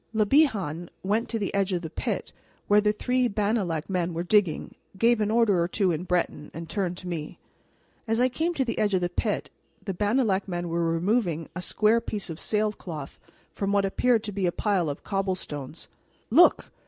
Le Bihan went to the edge of the pit where the three Bannalec men were digging, gave an order or two in Breton, and turned to me. As I came to the edge of the pit the Bannalec men were removing a square piece of sailcloth from what appeared to be a pile of cobblestones. "Look!"